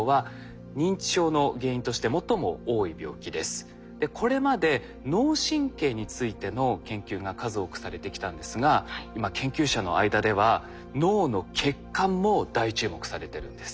今日見ていくこれまで脳神経についての研究が数多くされてきたんですが今研究者の間では脳の血管も大注目されてるんです。